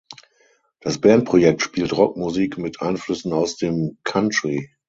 Das Bandprojekt spielt Rockmusik mit Einflüssen aus dem Country.